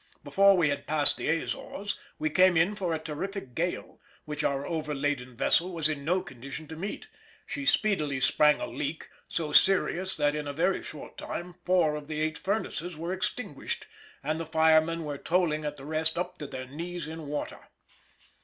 Before we had passed the Azores we came in for a terrific gale, which our overladen vessel was in no condition to meet; she speedily sprang a leak, so serious that in a very short time four of the eight furnaces were extinguished and the firemen were toiling at the rest up to their knees in water.